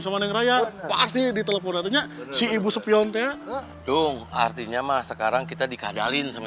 sama neng raya pasti diteleponannya si ibu sepi on the dong artinya mah sekarang kita dikadalin sama